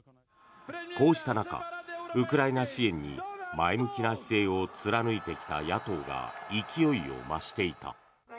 こうした中、ウクライナ支援に前向きな姿勢を貫いてきた野党が勢いを増していた。